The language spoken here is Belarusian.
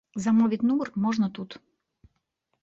Замовіць нумар можна тут.